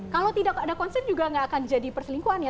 kalau tidak ada konsen juga nggak akan jadi perselingkuhan ya